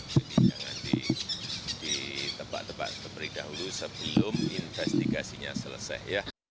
jadi jangan ditebak tebak terlebih dahulu sebelum investigasinya selesai ya